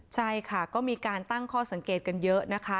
ใช่ค่ะก็มีการตั้งข้อสังเกตกันเยอะนะคะ